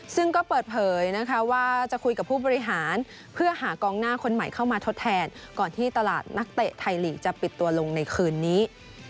ซึ่งก็เปิดเผยนะคะว่าจะคุยกับผู้บริหารเพื่อหากองหน้าคนใหม่เข้ามาทดแทนก่อนที่ตลาดนักเตะไทยลีกจะปิดตัวลงในคืนนี้